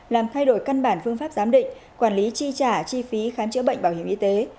làm thay đổi căn bản phương pháp giám định quản lý chi trả chi phí khám chữa bệnh bảo hiểm y tế